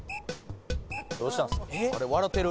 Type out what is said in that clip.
どうしたんすか？